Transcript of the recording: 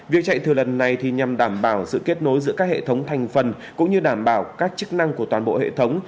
việc chạy thừa lần này nhằm đảm bảo sự kết nối giữa các hệ thống thành phần cũng như đảm bảo các chức năng của toàn bộ hệ thống